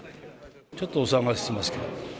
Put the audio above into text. ちょっとお騒がせしてますけど。